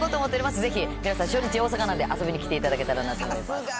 ぜひ皆さん、初日、大阪なんで、遊びに来ていただけたらなと思います。